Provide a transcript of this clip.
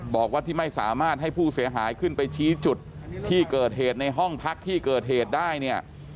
บอกว่าที่ไม่สามารถให้ผู้เสียหายขึ้นไปชี้จุดที่เกิดเหตุในห้องพักที่เกิดเหตุได้เนี่ย